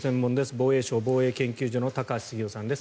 防衛省防衛研究所の高橋杉雄さんです。